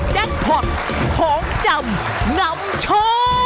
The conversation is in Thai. แจ็คพอตของจำนำโชว์